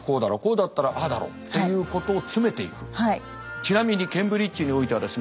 ちなみにケンブリッジにおいてはですね